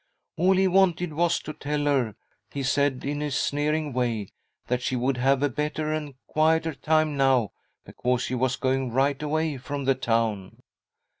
All he wanted was to tell her, he said in his sneering way, that she would have a better and a quieter time now, because he was going right away from the town.